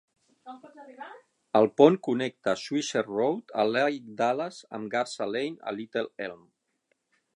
El pont connecta Swisher Road a Lake Dallas amb Garza Lane a Little Elm.